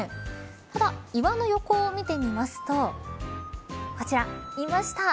ただ、岩の横を見てみますとこちらいました。